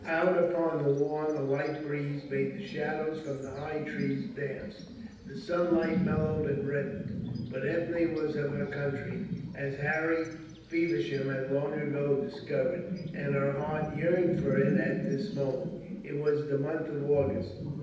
Out upon the lawn a light breeze made the shadows from the high trees dance, the sunlight mellowed and reddened. But Ethne was of her county, as Harry Feversham had long ago discovered, and her heart yearned for it at this moment. It was the month of August.